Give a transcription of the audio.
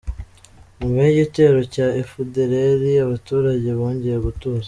Nyuma y’igitero cya efudereri abaturage bongeye gutuza